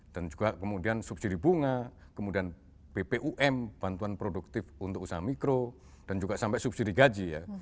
dan juga kemudian subsidi bunga kemudian bpum bantuan produktif untuk usaha mikro dan juga sampai subsidi gaji ya